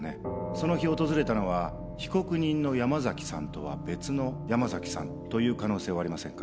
その日訪れたのは被告人の山崎さんとは別の山崎さんという可能性はありませんか？